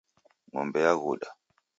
Ngombe yaghuda